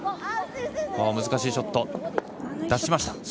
難しいショットを出しました。